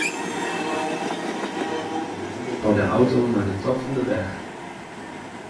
Wy ride mei de auto nei de top fan de berch.